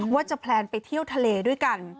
ว่าจะแพลนไปเที่ยวทะเลด้วยกัน